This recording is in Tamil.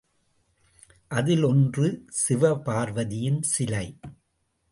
அதில் ஒன்று சிவபார்வதியின் சிலை.